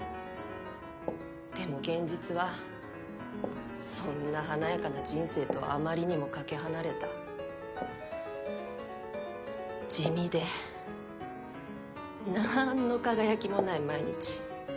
でも現実はそんな華やかな人生とはあまりにも懸け離れた地味で何の輝きもない毎日。